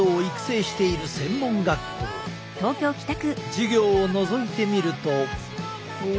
授業をのぞいてみると。